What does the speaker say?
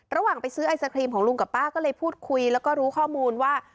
ระหว่างไปซื้อไอศครีมของลุงกับป้าก็เลยพูดคุยแล้วก็รู้ข้อมูลว่า